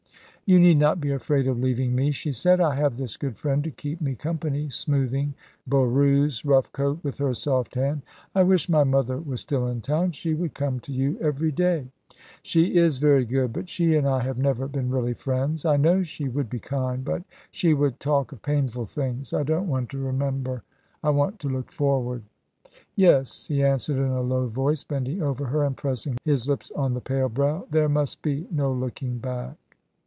"You need not be afraid of leaving me," she said. "I have this good friend to keep me company," smoothing Boroo's rough coat with her soft hand. "I wish my mother were still in town. She would come to you every day." "She is very good, but she and I have never been really friends. I know she would be kind; but she would talk of painful things. I don't want to remember. I want to look forward." "Yes," he answered in a low voice, bending over her, and pressing his lips on the pale brow. "There must be no looking back."